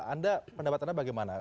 anda pendapatannya bagaimana